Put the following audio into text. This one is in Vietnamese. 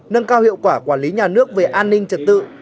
nâng cao hiệu quả quản lý nhà nước về an ninh trật tự